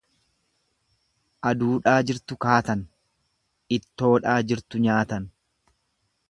Aduudhaa jirtu kaatan, ittoodhaa jirtu nyatan.